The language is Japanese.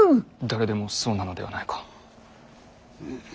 誰でもそうなのではないか。